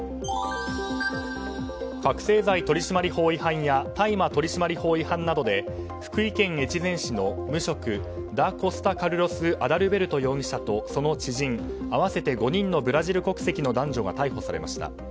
覚醒剤取締法違反や大麻取締法違反などで福井県越前市の無職ダ・コスタ・カルロス・アダルベルト容疑者とその知人、合わせて５人のブラジル国籍の男女が逮捕されました。